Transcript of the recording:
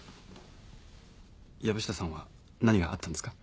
藪下さんは何があったんですか？